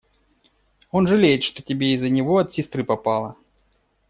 Он жалеет, что тебе из-за него от сестры попало.